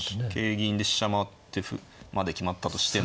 銀で飛車回って歩まで決まったとしても。